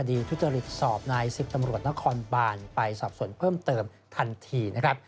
ในคดีทุจริตสอบใน๑๐ตำรวจต้องบ่านไปสอบส่วนให้เพิ่มเติมทันทีนะครับ